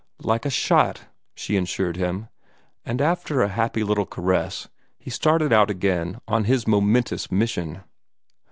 "Like a shot!" she assured him, and, after a happy little caress, he started out again on his momentous mission.